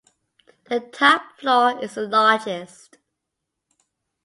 The top floor is the largest.